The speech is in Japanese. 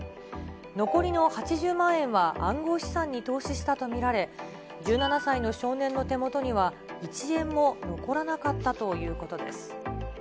残りの８０万円は、暗号資産に投資したと見られ、１７歳の少年の手元には、１円も残らなかったということです。